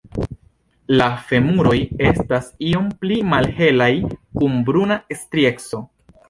La femuroj estas iom pli malhelaj kun bruna strieco.